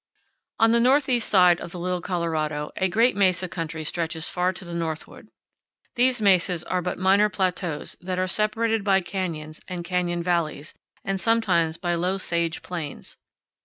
On the northeast side of the Little Colorado a great mesa country stretches far to the northward. These mesas are but minor plateaus that are separated by canyons and canyon valleys, and sometimes by 46 CANYONS OF THE COLORADO. low sage plains.